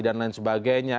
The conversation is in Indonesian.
dan lain sebagainya